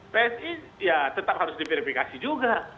psi ya tetap harus diverifikasi juga